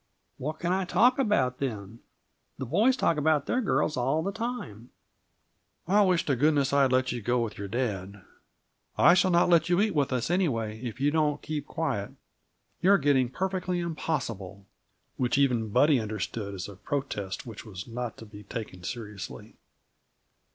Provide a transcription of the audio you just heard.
"What can I talk about, then? The boys talk about their girls all the time " "I wish to goodness I had let you go with your dad. I shall not let you eat with us, anyway, if you don't keep quiet. You're getting perfectly impossible." Which even Buddy understood as a protest which was not to be taken seriously.